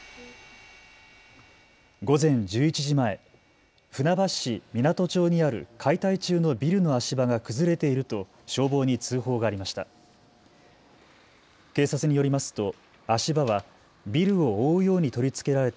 午前１１時前、船橋市湊町にある解体中のビルの足場が崩れていると消防に通報がありました。